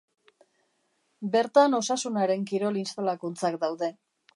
Bertan Osasunaren kirol instalakuntzak daude.